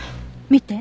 見て。